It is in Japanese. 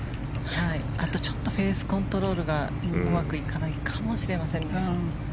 あと、ちょっとフェースコントロールがうまくいかないかもしれません。